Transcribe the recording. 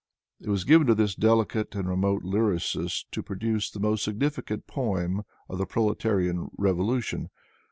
It was given to this delicate and remote lyricist to produce the most significant poem of the proletarian revolution.